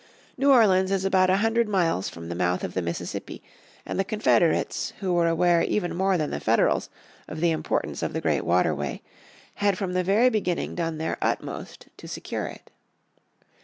New Orleans is about a hundred miles from the mouth of the Mississippi and the Confederates, who were aware even more than the Federals of the importance of the great waterway, had from the very beginning done their utmost to secure it.